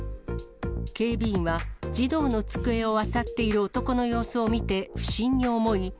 警備員は児童の机をあさっている男の様子を見て不審に思い。